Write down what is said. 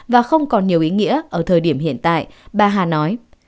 và không còn nhiều ý nghĩa ở thời điểm hiện tại bà hà nói